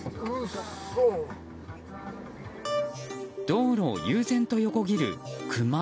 道路を悠然と横切るクマ。